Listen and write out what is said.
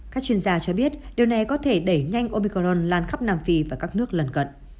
các chuyên gia cho biết điều này có thể đẩy nhanh obicron lan khắp nam phi và các nước lần cận